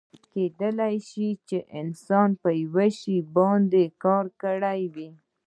کیدای شي چې انسان په یو شي باندې کار کړی وي.